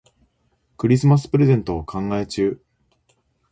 クリスマスプレゼントを考え中。